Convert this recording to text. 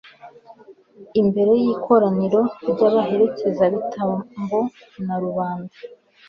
imbere y'ikoraniro ry'abaherezabitambo na rubanda